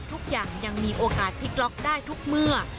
ทุกอย่างยังมีโอกาสพลิกล็อกได้ทุกเมื่อ